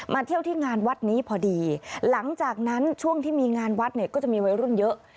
เที่ยวที่งานวัดนี้พอดีหลังจากนั้นช่วงที่มีงานวัดเนี่ยก็จะมีวัยรุ่นเยอะ